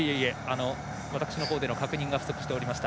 私のほうでの確認が不足しておりました。